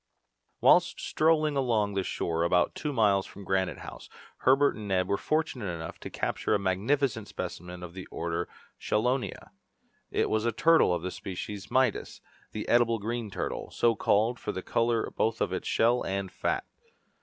Whilst strolling along the shore about two miles from Granite House, Herbert and Neb were fortunate enough to capture a magnificent specimen of the order of chelonia. It was a turtle of the species Midas, the edible green turtle, so called from the colour both of its shell and fat.